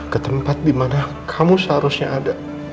ke tempat dimana kamu seharusnya ada